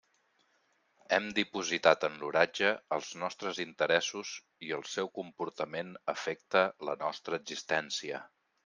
Hem dipositat en l'oratge els nostres interessos i el seu comportament afecta la nostra existència.